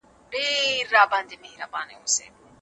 دوی د ستونزو د حل لپاره پروګرامونه جوړ کړل.